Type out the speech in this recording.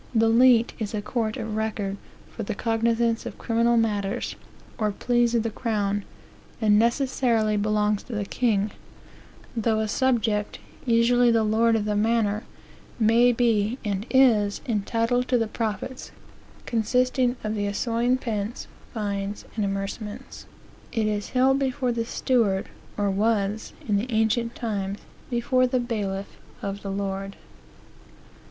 The leet is a court of record for the cognizance of criminal matters, or pleas of the crown; and necessarily belongs to the king; though a subject, usually the lord of the manor, may be, and is, entitled to the profits, consisting of the essoign pence, fines, and amerciaments "It is held before the steward, or was, in ancient times, before the bailiff, of the lord."